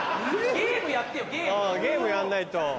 ゲームやんないと。